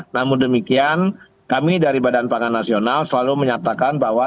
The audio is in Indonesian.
namun demikian kami dari badan pangan nasional selalu menyatakan bahwa